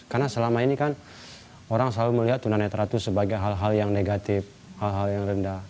karena selama ini kan orang selalu melihat tunanetra itu sebagai hal hal yang negatif hal hal yang rendah